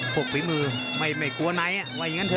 ฝีมือไม่กลัวไหนว่าอย่างนั้นเถ